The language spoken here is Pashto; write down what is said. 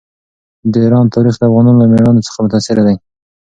د ایران تاریخ د افغانانو له مېړانې څخه متاثره دی.